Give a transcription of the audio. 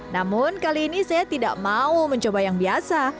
namun kali ini saya tidak mau mencoba yang biasa